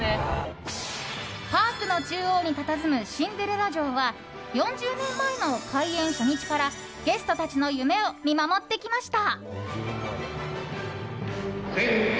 パークの中央にたたずむシンデレラ城は４０年前の開園初日からゲストたちの夢を見守ってきました。